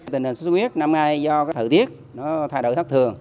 tình hình sốt xuất huyết năm nay do thử tiết thay đổi thất thường